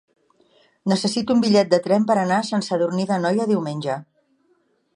Necessito un bitllet de tren per anar a Sant Sadurní d'Anoia diumenge.